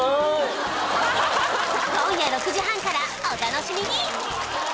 今夜６時半からお楽しみに！